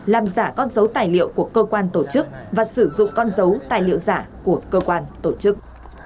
làm giả con dấu tài liệu của cơ quan tổ chức và sử dụng con dấu tài liệu giả của cơ quan tổ chức